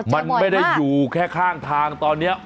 มันไม่ได้อยู่แค่ข้างทางตอนนี้